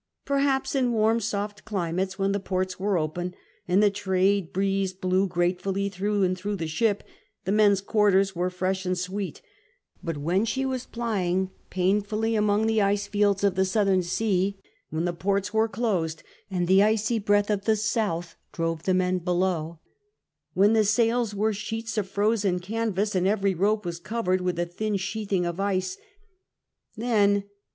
Perhaps in warm soft climates, when the ports were open and the trade breeze blew gratefully through and through the ship, the men's quarters were fresh and sweet; but when she was plying painfully among VIII FORSTERS S ACCOUNT 97 the ice fields of the southern sea ; when the ports were closed and the icy breath of the south drove the men below ; when the sails were sheets of frozen canvas, and every rope was covered with a thin sheathing of ice; then